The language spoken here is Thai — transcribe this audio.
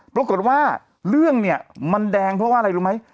ปรากฏว่าเรื่องเนี่ยมันแดงเพราะว่าอะไรรู้ไหม